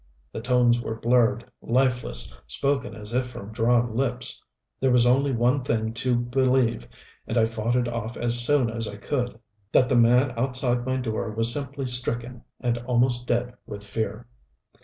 The tones were blurred, lifeless, spoken as if from drawn lips. There was only one thing to believe, and I fought it off as long as I could: that the man outside my door was simply stricken and almost dead with fear.